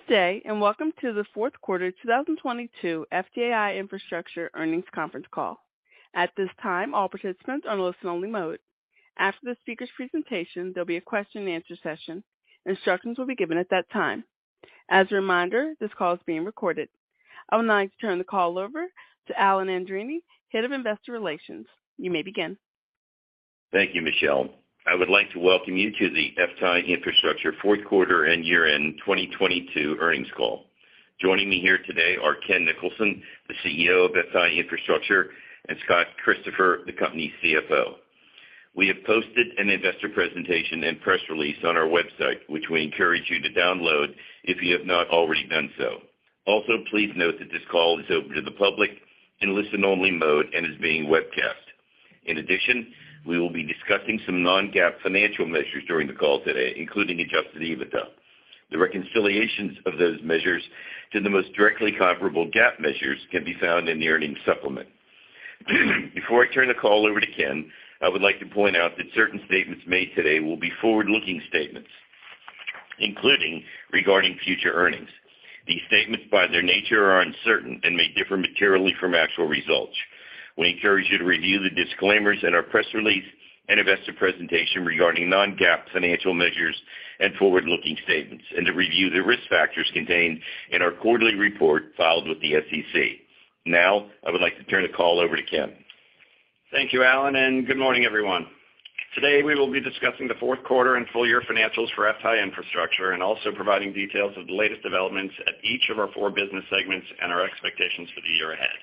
Good day. Welcome to the fourth quarter 2022 FTAI Infrastructure Earnings Conference Call. At this time, all participants are in listen-only mode. After the speaker's presentation, there'll be a question-and-answer session. Instructions will be given at that time. As a reminder, this call is being recorded. I would now like to turn the call over to Alan Andreini, Head of Investor Relations. You may begin. Thank you, Michelle. I would like to welcome you to the FTAI Infrastructure fourth quarter and year-end 2022 earnings call. Joining me here today are Ken Nicholson, the CEO of FTAI Infrastructure, and Scott Christopher, the company's CFO. We have posted an investor presentation and press release on our website, which we encourage you to download if you have not already done so. Also, please note that this call is open to the public in listen-only mode and is being webcast. In addition, we will be discussing some non-GAAP financial measures during the call today, including adjusted EBITDA. The reconciliations of those measures to the most directly comparable GAAP measures can be found in the earnings supplement. Before I turn the call over to Ken, I would like to point out that certain statements made today will be forward-looking statements, including regarding future earnings. These statements, by their nature, are uncertain and may differ materially from actual results. We encourage you to review the disclaimers in our press release and investor presentation regarding non-GAAP financial measures and forward-looking statements and to review the risk factors contained in our quarterly report filed with the SEC. I would like to turn the call over to Ken. Thank you, Alan. Good morning, everyone. Today, we will be discussing the fourth quarter and full year financials for FTAI Infrastructure and also providing details of the latest developments at each of our four business segments and our expectations for the year ahead.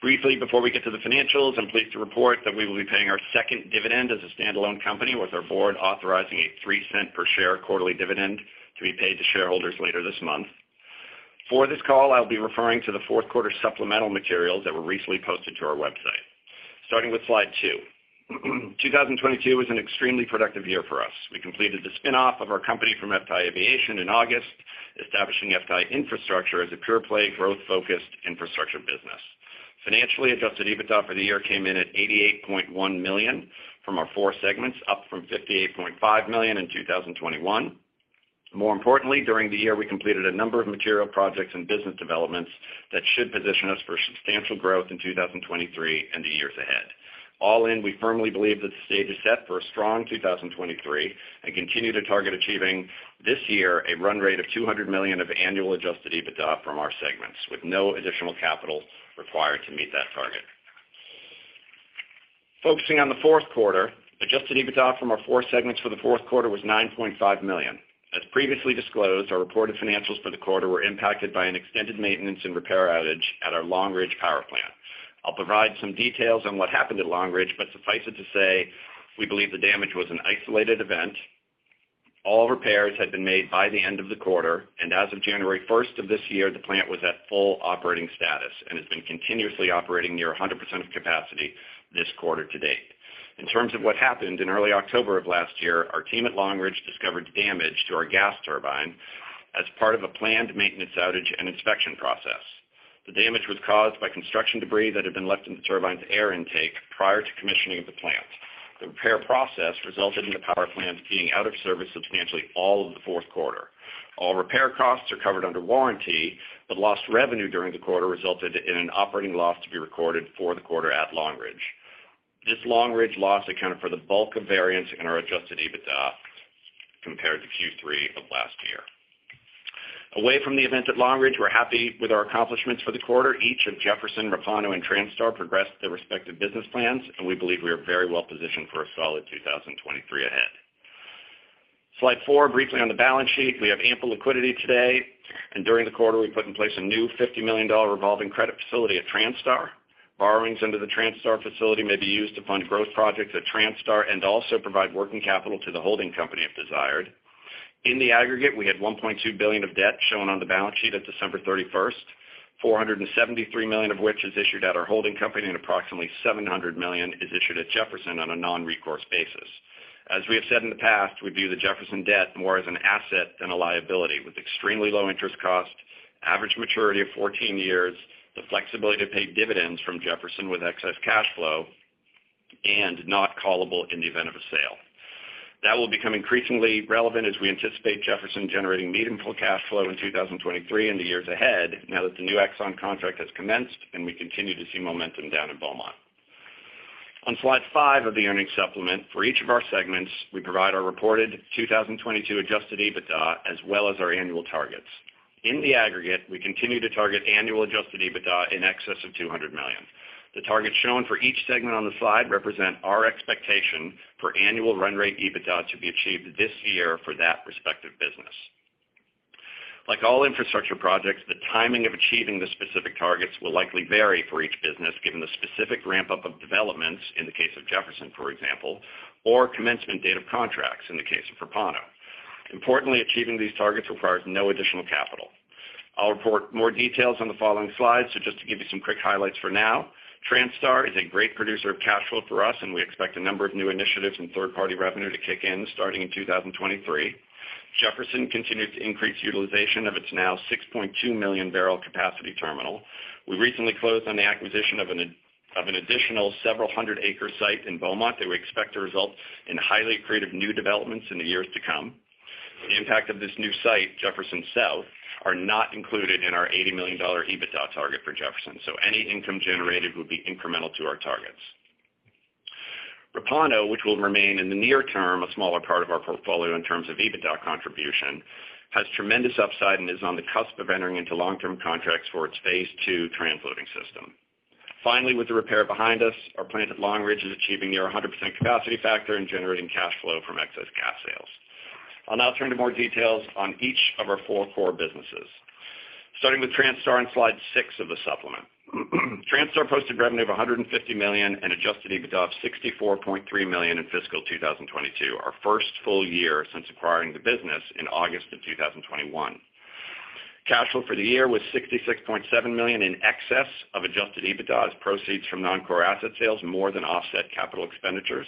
Briefly, before we get to the financials, I'm pleased to report that we will be paying our 2nd dividend as a standalone company with our board authorizing a $0.03 per share quarterly dividend to be paid to shareholders later this month. For this call, I'll be referring to the fourth quarter supplemental materials that were recently posted to our website. Starting with slide two. 2022 was an extremely productive year for us. We completed the spin-off of our company from FTAI Aviation in August, establishing FTAI Infrastructure as a pure-play, growth-focused infrastructure business. Financially, adjusted EBITDA for the year came in at $88.1 million from our four segments, up from $58.5 million in 2021. More importantly, during the year, we completed a number of material projects and business developments that should position us for substantial growth in 2023 and the years ahead. All in, we firmly believe that the stage is set for a strong 2023 and continue to target achieving this year a run rate of $200 million of annual adjusted EBITDA from our segments, with no additional capital required to meet that target. Focusing on the fourth quarter, adjusted EBITDA from our four segments for the fourth quarter was $9.5 million. As previously disclosed, our reported financials for the quarter were impacted by an extended maintenance and repair outage at our Long Ridge Power Plant. I'll provide some details on what happened at Long Ridge, suffice it to say, we believe the damage was an isolated event. All repairs had been made by the end of the quarter, and as of January 1st of this year, the plant was at full operating status and has been continuously operating near 100% of capacity this quarter to date. In terms of what happened, in early October of last year, our team at Long Ridge discovered damage to our gas turbine as part of a planned maintenance outage and inspection process. The damage was caused by construction debris that had been left in the turbine's air intake prior to commissioning of the plant. The repair process resulted in the power plant being out of service substantially all of the fourth quarter. All repair costs are covered under warranty, lost revenue during the quarter resulted in an operating loss to be recorded for the quarter at Long Ridge. This Long Ridge loss accounted for the bulk of variance in our adjusted EBITDA compared to Q3 of last year. Away from the event at Long Ridge, we're happy with our accomplishments for the quarter. Each of Jefferson, Repauno, and Transtar progressed their respective business plans, and we believe we are very well positioned for a solid 2023 ahead. Slide four, briefly on the balance sheet. We have ample liquidity today, and during the quarter, we put in place a new $50 million revolving credit facility at Transtar. Borrowings under the Transtar facility may be used to fund growth projects at Transtar and also provide working capital to the holding company if desired. In the aggregate, we had $1.2 billion of debt shown on the balance sheet at December 31st, $473 million of which is issued at our holding company, and approximately $700 million is issued at Jefferson on a non-recourse basis. As we have said in the past, we view the Jefferson debt more as an asset than a liability, with extremely low interest cost, average maturity of 14 years, the flexibility to pay dividends from Jefferson with excess cash flow, and not callable in the event of a sale. That will become increasingly relevant as we anticipate Jefferson generating meaningful cash flow in 2023 and the years ahead now that the new Exxon contract has commenced and we continue to see momentum down in Beaumont. On slide five of the earnings supplement, for each of our segments, we provide our reported 2022 adjusted EBITDA as well as our annual targets. In the aggregate, we continue to target annual adjusted EBITDA in excess of $200 million. The targets shown for each segment on the slide represent our expectation for annual run rate EBITDA to be achieved this year for that respective business. Like all infrastructure projects, the timing of achieving the specific targets will likely vary for each business, given the specific ramp-up of developments in the case of Jefferson, for example, or commencement date of contracts in the case of Repauno. Importantly, achieving these targets requires no additional capital. I'll report more details on the following slides, just to give you some quick highlights for now. Transtar is a great producer of cash flow for us. We expect a number of new initiatives and third-party revenue to kick in starting in 2023. Jefferson continued to increase utilization of its now 6.2 million barrel capacity terminal. We recently closed on the acquisition of an additional several hundred acre site in Beaumont that we expect to result in highly accretive new developments in the years to come. The impact of this new site, Jefferson South, are not included in our $80 million EBITDA target for Jefferson. Any income generated would be incremental to our targets. Repauno, which will remain in the near term a smaller part of our portfolio in terms of EBITDA contribution, has tremendous upside and is on the cusp of entering into long-term contracts for its Phase 2 transloading system. Finally, with the repair behind us, our plant at Long Ridge is achieving near 100% capacity factor and generating cash flow from excess gas sales. I'll now turn to more details on each of our four core businesses. Starting with Transtar on slide six of the supplement. Transtar posted revenue of $150 million and adjusted EBITDA of $64.3 million in fiscal 2022, our first full year since acquiring the business in August of 2021. Cash flow for the year was $66.7 million in excess of adjusted EBITDA as proceeds from non-core asset sales more than offset capital expenditures.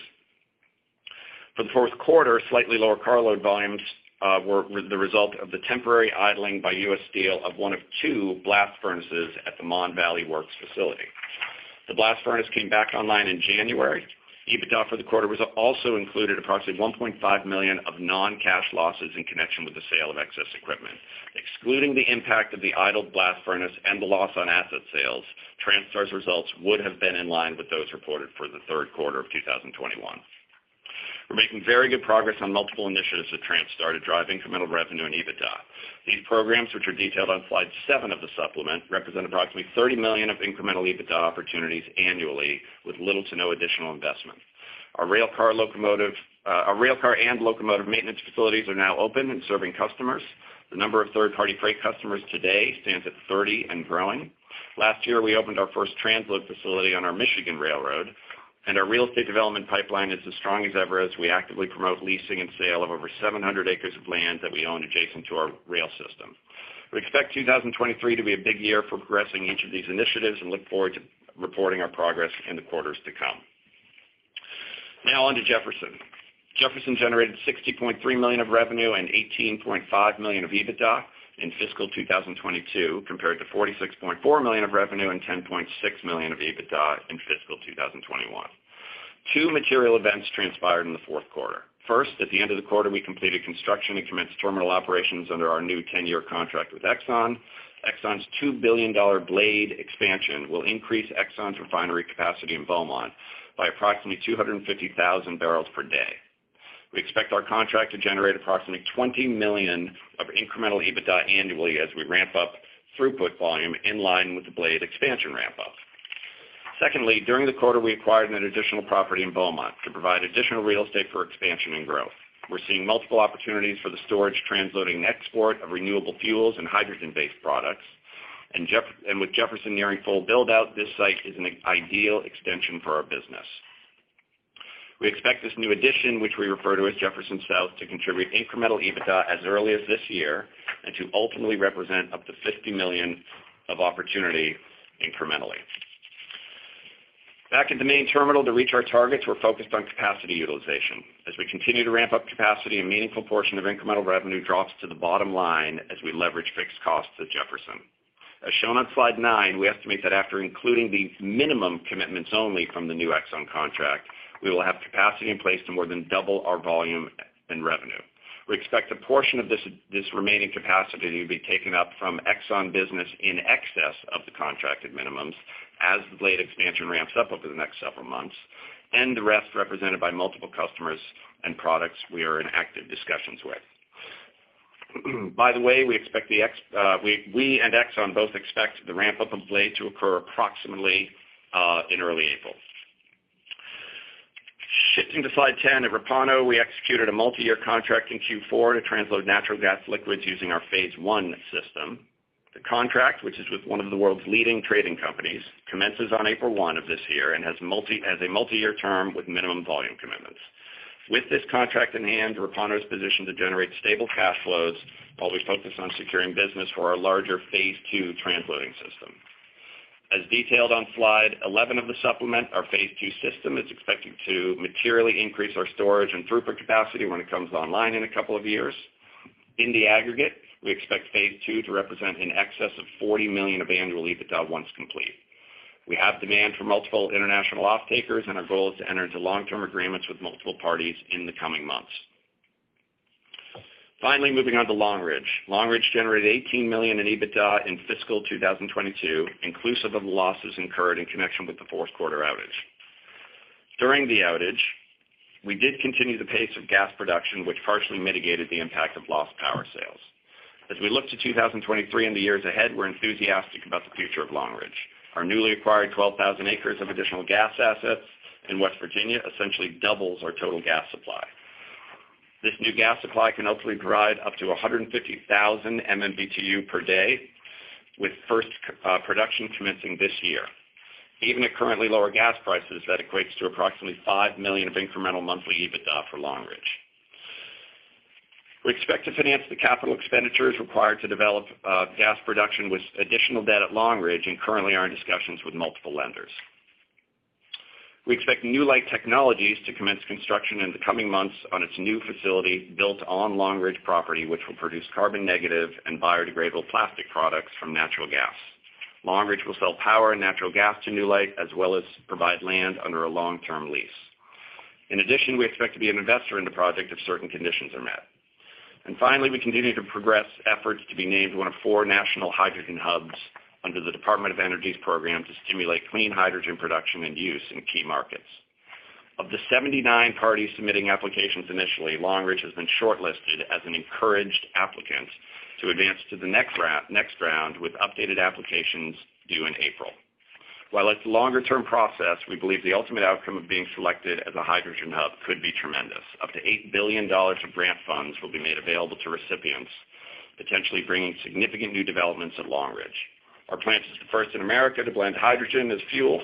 For the fourth quarter, slightly lower carload volumes were the result of the temporary idling by U.S. Steel of one of two blast furnaces at the Mon Valley Works facility. The blast furnace came back online in January. EBITDA for the quarter also included approximately $1.5 million of non-cash losses in connection with the sale of excess equipment. Excluding the impact of the idled blast furnace and the loss on asset sales, Transtar's results would have been in line with those reported for the third quarter of 2021. We're making very good progress on multiple initiatives with Transtar to drive incremental revenue and EBITDA. These programs, which are detailed on slide 7 of the supplement, represent approximately $30 million of incremental EBITDA opportunities annually with little to no additional investment. Our railcar and locomotive maintenance facilities are now open and serving customers. The number of third-party freight customers today stands at 30 and growing. Last year, we opened our first transload facility on our Michigan railroad, and our real estate development pipeline is as strong as ever as we actively promote leasing and sale of over 700 acres of land that we own adjacent to our rail system. We expect 2023 to be a big year for progressing each of these initiatives and look forward to reporting our progress in the quarters to come. On to Jefferson. Jefferson generated $60.3 million of revenue and $18.5 million of EBITDA in fiscal 2022, compared to $46.4 million of revenue and $10.6 million of EBITDA in fiscal 2021. Two material events transpired in the fourth quarter. First, at the end of the quarter, we completed construction and commenced terminal operations under our new 10-year contract with Exxon. Exxon's $2 billion BLADE expansion will increase Exxon's refinery capacity in Beaumont by approximately 250,000 barrels per day. We expect our contract to generate approximately $20 million of incremental EBITDA annually as we ramp up throughput volume in line with the BLADE expansion ramp-up. Secondly, during the quarter, we acquired an additional property in Beaumont to provide additional real estate for expansion and growth. We're seeing multiple opportunities for the storage, transloading, and export of renewable fuels and hydrogen-based products. With Jefferson nearing full build-out, this site is an ideal extension for our business. We expect this new addition, which we refer to as Jefferson South, to contribute incremental EBITDA as early as this year and to ultimately represent up to $50 million of opportunity incrementally. Back at the main terminal, to reach our targets, we're focused on capacity utilization. As we continue to ramp up capacity, a meaningful portion of incremental revenue drops to the bottom line as we leverage fixed costs at Jefferson. As shown on slide nine, we estimate that after including the minimum commitments only from the new Exxon contract, we will have capacity in place to more than double our volume and revenue. We expect a portion of this remaining capacity to be taken up from Exxon business in excess of the contracted minimums as the BLADE expansion ramps up over the next several months, and the rest represented by multiple customers and products we are in active discussions with. By the way, we expect we and Exxon both expect the ramp-up of BLADE to occur approximately in early April. Shifting to slide 10, at Repauno, we executed a multiyear contract in Q4 to transload natural gas liquids using our Phase 1 system. The contract, which is with one of the world's leading trading companies, commences on April 1 of this year and has a multiyear term with minimum volume commitments. With this contract in hand, Repauno is positioned to generate stable cash flows while we focus on securing business for our larger Phase 2 transloading system. As detailed on slide 11 of the supplement, our Phase 2 system is expected to materially increase our storage and throughput capacity when it comes online in a couple of years. In the aggregate, we expect Phase 2 to represent in excess of $40 million of annual EBITDA once complete. We have demand from multiple international off-takers, and our goal is to enter into long-term agreements with multiple parties in the coming months. Finally, moving on to Long Ridge. Long Ridge generated $18 million in EBITDA in fiscal 2022, inclusive of the losses incurred in connection with the fourth quarter outage. During the outage, we did continue the pace of gas production, which partially mitigated the impact of lost power sales. As we look to 2023 and the years ahead, we're enthusiastic about the future of Long Ridge. Our newly acquired 12,000 acres of additional gas assets in West Virginia essentially doubles our total gas supply. This new gas supply can ultimately provide up to 150,000 MMBtu per day, with first production commencing this year. Even at currently lower gas prices, that equates to approximately $5 million of incremental monthly EBITDA for Long Ridge. We expect to finance the capital expenditures required to develop gas production with additional debt at Long Ridge, and currently are in discussions with multiple lenders. We expect Newlight Technologies to commence construction in the coming months on its new facility built on Long Ridge property, which will produce carbon negative and biodegradable plastic products from natural gas. Long Ridge will sell power and natural gas to Newlight, as well as provide land under a long-term lease. In addition, we expect to be an investor in the project if certain conditions are met. Finally, we continue to progress efforts to be named one of four national Hydrogen Hubs under the Department of Energy's program to stimulate clean hydrogen production and use in key markets. Of the 79 parties submitting applications initially, Long Ridge has been shortlisted as an encouraged applicant to advance to the next round, with updated applications due in April. While it's a longer-term process, we believe the ultimate outcome of being selected as a hydrogen hub could be tremendous. Up to $8 billion of grant funds will be made available to recipients, potentially bringing significant new developments at Long Ridge. Our plant is the first in America to blend hydrogen as fuel,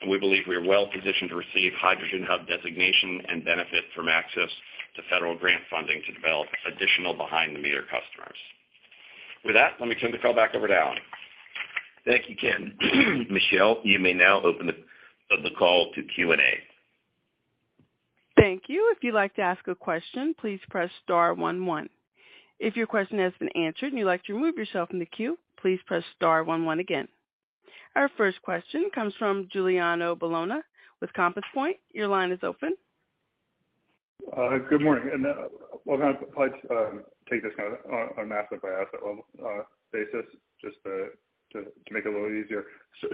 and we believe we are well-positioned to receive hydrogen hub designation and benefit from access to federal grant funding to develop additional behind-the-meter customers. With that, let me turn the call back over to Alan. Thank you, Ken. Michelle, you may now open the call to Q&A. Thank you. If you'd like to ask a question, please press star one one. If your question has been answered and you'd like to remove yourself from the queue, please press star one one again. Our first question comes from Giuliano Bologna with Compass Point. Your line is open. Good morning. We're gonna probably take this kind of on an asset-by-asset level basis just to make it a little easier.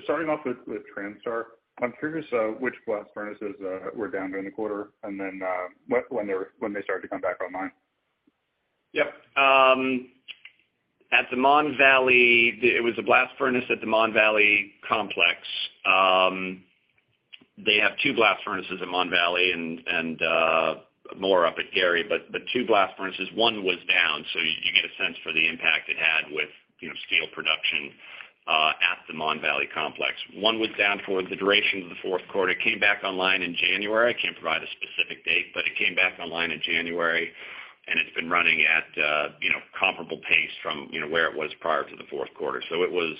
Starting off with Transtar, I'm curious which blast furnaces were down during the quarter, and then when they started to come back online? Yep. It was a blast furnace at the Mon Valley complex. They have two blast furnaces at Mon Valley and more up at Gary. The two blast furnaces, one was down, so you get a sense for the impact it had with, you know, steel production at the Mon Valley complex. One was down for the duration of the fourth quarter. It came back online in January. I can't provide a specific date, but it came back online in January, and it's been running at, you know, comparable pace from, you know, where it was prior to the fourth quarter. It was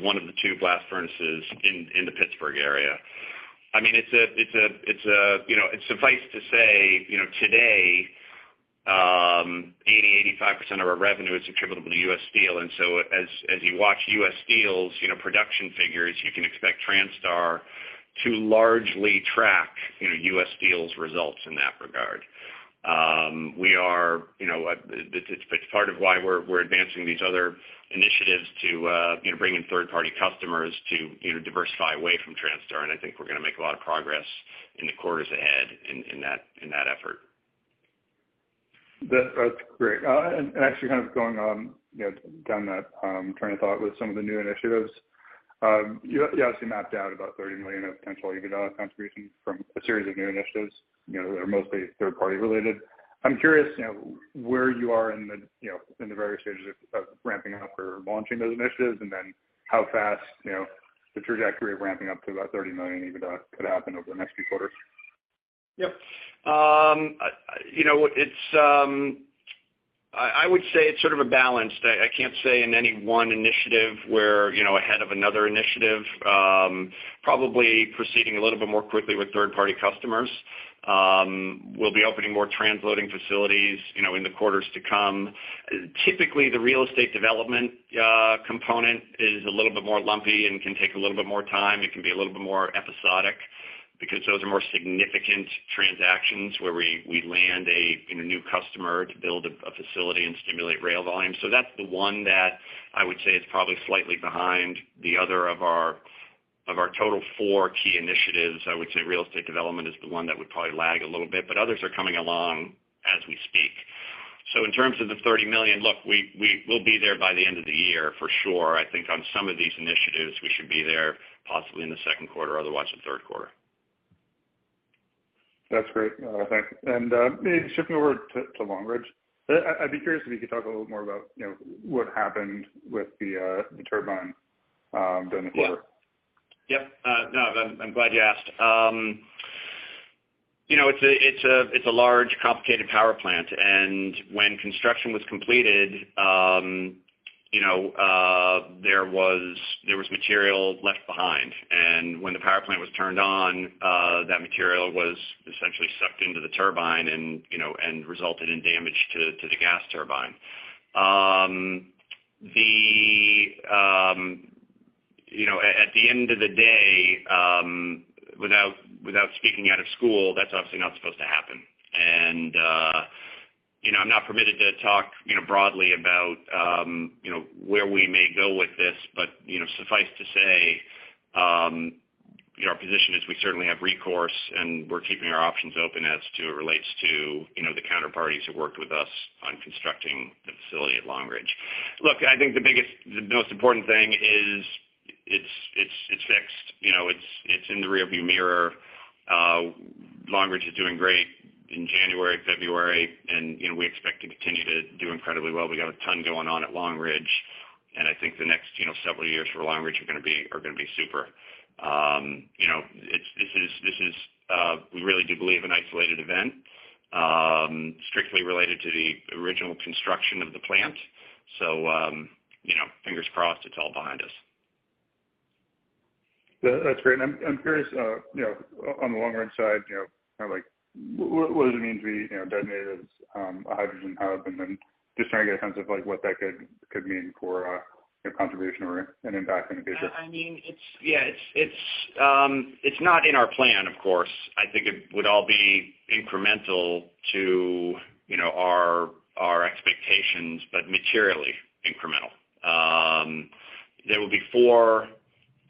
one of the two blast furnaces in the Pittsburgh area. I mean, it's a, you know. Suffice to say, you know, today, 80-85% of our revenue is attributable to U.S. Steel. As, as you watch U.S. Steel's, you know, production figures, you can expect Transtar to largely track, you know, U.S. Steel's results in that regard. We are, you know, it's part of why we're advancing these other initiatives to, you know, bring in third-party customers to, you know, diversify away from Transtar, and I think we're gonna make a lot of progress in the quarters ahead in that, in that effort. That's great. Actually kind of going on, you know, down that train of thought with some of the new initiatives, you obviously mapped out about $30 million of potential EBITDA contribution from a series of new initiatives, you know, that are mostly third party related. I'm curious, you know, where you are in the, you know, in the various stages of ramping up or launching those initiatives. How fast, you know, the trajectory of ramping up to about $30 million EBITDA could happen over the next few quarters. Yep. You know, it's I would say it's sort of a balance. I can't say in any one initiative we're, you know, ahead of another initiative. Probably proceeding a little bit more quickly with third-party customers. We'll be opening more transloading facilities, you know, in the quarters to come. Typically, the real estate development component is a little bit more lumpy and can take a little bit more time. It can be a little bit more episodic because those are more significant transactions where we land a, you know, new customer to build a facility and stimulate rail volume. That's the one that I would say is probably slightly behind the other of our total four key initiatives. I would say real estate development is the one that would probably lag a little bit, but others are coming along as we speak. In terms of the $30 million, look, we'll be there by the end of the year for sure. I think on some of these initiatives, we should be there possibly in the second quarter, otherwise the third quarter. That's great. Thank you. Maybe shifting over to Long Ridge. I'd be curious if you could talk a little more about, you know, what happened with the turbine during the quarter? Yeah. Yep. No, I'm glad you asked. You know, it's a large, complicated power plant, and when construction was completed, you know, there was material left behind. When the power plant was turned on, that material was essentially sucked into the turbine and, you know, and resulted in damage to the gas turbine. You know, at the end of the day, without speaking out of school, that's obviously not supposed to happen. You know, I'm not permitted to talk, you know, broadly about, you know, where we may go with this. You know, suffice to say, you know, our position is we certainly have recourse, and we're keeping our options open as to it relates to, you know, the counterparties who worked with us on constructing the facility at Long Ridge. Look, I think the most important thing is it's, it's fixed. You know, it's in the rearview mirror. Long Ridge is doing great in January, February, and, you know, we expect to continue to do incredibly well. We got a ton going on at Long Ridge, and I think the next, you know, several years for Long Ridge are gonna be, are gonna be super. You know, this is, this is, we really do believe an isolated event. Strictly related to the original construction of the plant. You know, fingers crossed, it's all behind us. That's great. I'm curious, you know, on the Long Ridge side, you know, kind of like what does it mean to be, you know, designated as a hydrogen hub just trying to get a sense of, like, what that could mean for a contribution or an impact in the future? I mean, it's Yeah, it's not in our plan, of course. I think it would all be incremental to, you know, our expectations, but materially incremental. There will be four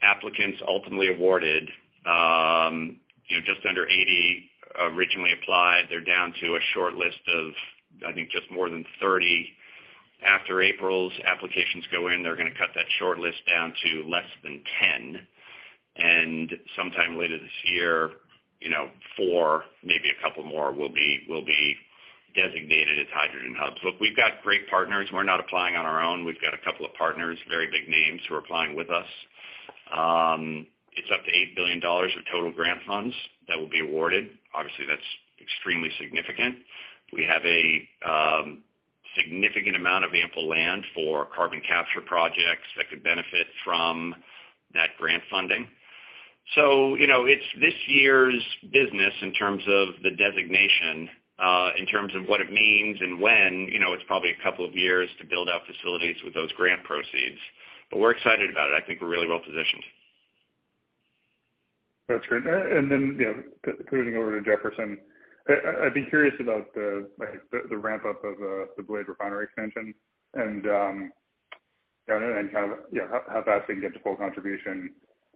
applicants ultimately awarded. You know, just under 80 originally applied. They're down to a short list of, I think, just more than 30. After April's applications go in, they're gonna cut that shortlist down to less than 10. Sometime later this year, you know, four, maybe a couple more will be designated as hydrogen hubs. Look, we've got great partners. We're not applying on our own. We've got a couple of partners, very big names who are applying with us. It's up to $8 billion of total grant funds that will be awarded. Obviously, that's extremely significant. We have a significant amount of ample land for carbon capture projects that could benefit from that grant funding. You know, it's this year's business in terms of the designation, in terms of what it means and when, you know, it's probably a couple of years to build out facilities with those grant proceeds, but we're excited about it. I think we're really well-positioned. That's great. You know, turning over to Jefferson. I'd be curious about the, like, the ramp-up of the BLADE refinery expansion and, you know, and kind of, you know, how fast we can get to full contribution.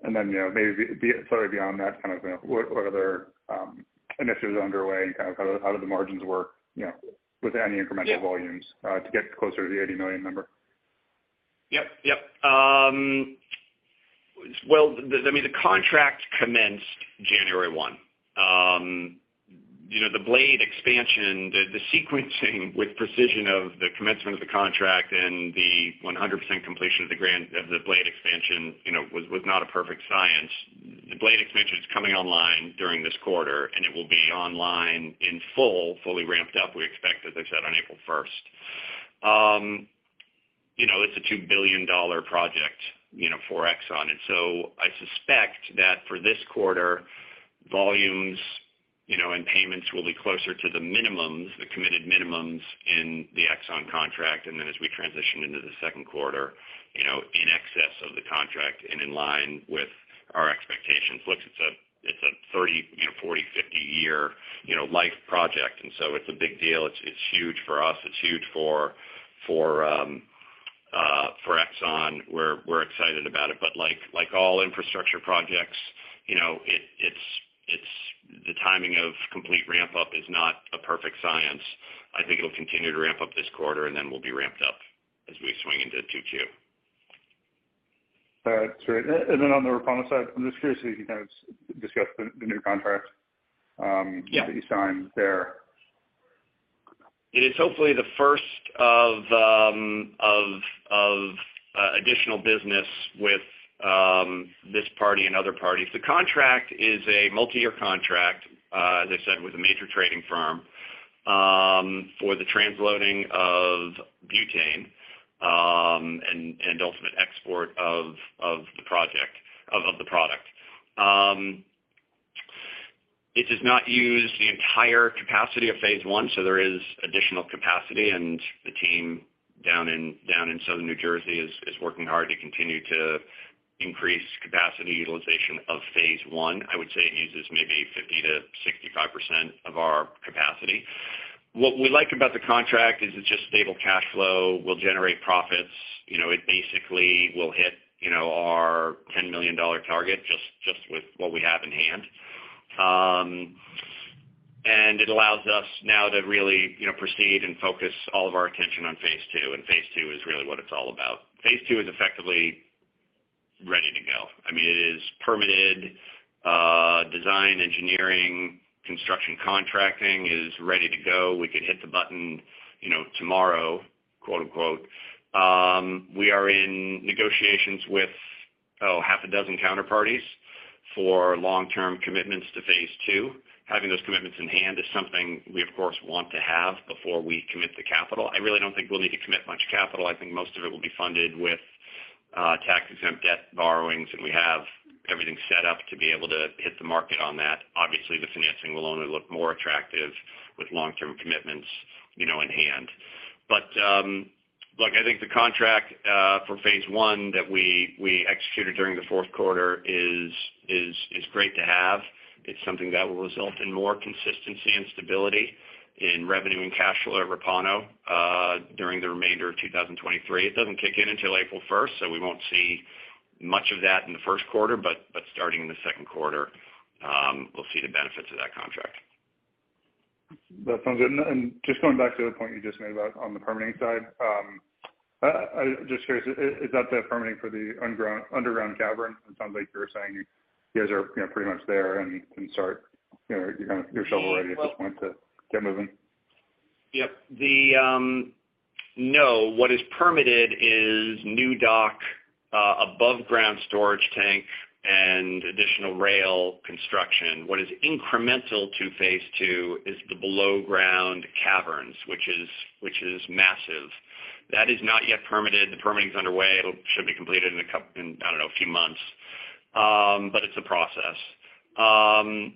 You know, sort of beyond that kind of, you know, what other initiatives are underway and kind of how do the margins work, you know, with any incremental volumes to get closer to the $80 million number? Yep, yep. Well, I mean, the contract commenced January 1. You know, the BLADE expansion, the sequencing with precision of the commencement of the contract and the 100% completion of the BLADE expansion, you know, was not a perfect science. The BLADE expansion is coming online during this quarter. It will be online in full, fully ramped up, we expect, as I said, on April 1st. You know, it's a $2 billion project, you know, for Exxon. I suspect that for this quarter, volumes, you know, and payments will be closer to the minimums, the committed minimums in the Exxon contract. As we transition into the second quarter, you know, in excess of the contract and in line with our expectations. Look, it's a 30, you know, 40, 50 year, you know, life project. It's a big deal. It's huge for us. It's huge for Exxon. We're excited about it. Like all infrastructure projects, you know, it's the timing of complete ramp-up is not a perfect science. I think it'll continue to ramp up this quarter, and then we'll be ramped up as we swing into 2Q. That's great. Then on the Repauno side, I'm just curious if you can kind of discuss the new contract? Yeah. that you signed there. It is hopefully the first of additional business with this party and other parties. The contract is a multi-year contract, as I said, with a major trading firm, for the transloading of butane, and ultimate export of the product. It does not use the entire capacity of Phase 1, so there is additional capacity, and the team down in southern New Jersey is working hard to continue to increase capacity utilization of Phase 1. I would say it uses maybe 50%-65% of our capacity. What we like about the contract is it's just stable cash flow, will generate profits. You know, it basically will hit, you know, our $10 million target just with what we have in hand. It allows us now to really, you know, proceed and focus all of our attention on Phase 2, and Phase 2 is really what it's all about. Phase 2 is effectively ready to go. I mean, it is permitted, design, engineering, construction, contracting is ready to go. We could hit the button, you know, tomorrow, quote, unquote. We are in negotiations with half a dozen counterparties for long-term commitments to Phase 2. Having those commitments in hand is something we, of course, want to have before we commit the capital. I really don't think we'll need to commit much capital. I think most of it will be funded with tax-exempt debt borrowings, and we have everything set up to be able to hit the market on that. Obviously, the financing will only look more attractive with long-term commitments, you know, in hand. Look, I think the contract for Phase 1 that we executed during the fourth quarter is great to have. It's something that will result in more consistency and stability in revenue and cash flow at Repauno during the remainder of 2023. It doesn't kick in until April first, so we won't see much of that in the first quarter, but starting in the second quarter, we'll see the benefits of that contract. That sounds good. Just going back to the point you just made about on the permitting side, just curious, is that the permitting for the underground cavern? It sounds like you're saying you guys are, you know, pretty much there and can start, you know, you're shovel-ready at this point to get moving. Yep. No. What is permitted is new dock, above ground storage tank and additional rail construction. What is incremental to Phase 2 is the below-ground caverns, which is massive. That is not yet permitted. The permitting is underway. It should be completed in, I don't know, a few months. It's a process. I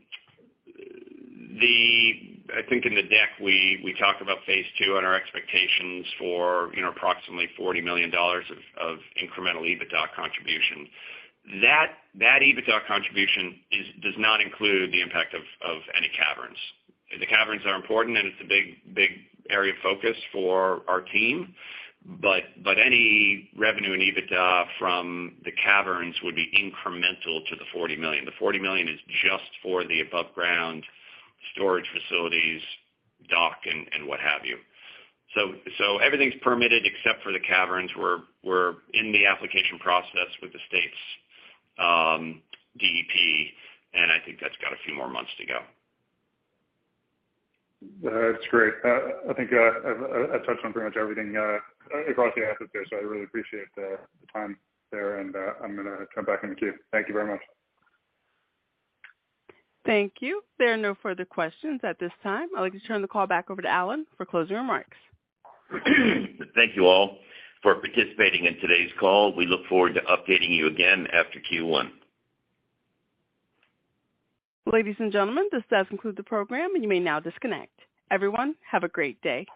think in the deck, we talked about Phase 2 and our expectations for, you know, approximately $40 million of incremental EBITDA contribution. That EBITDA contribution does not include the impact of any caverns. The caverns are important, and it's a big area of focus for our team. Any revenue in EBITDA from the caverns would be incremental to the $40 million. The $40 million is just for the above ground storage facilities, dock and what have you. Everything's permitted except for the caverns. We're in the application process with the state's DEP, and I think that's got a few more months to go. That's great. I think I've touched on pretty much everything across the assets here, so I really appreciate the time there. I'm gonna come back in the queue. Thank you very much. Thank you. There are no further questions at this time. I'd like to turn the call back over to Alan for closing remarks. Thank you all for participating in today's call. We look forward to updating you again after Q1. Ladies and gentlemen, this does conclude the program. You may now disconnect. Everyone, have a great day.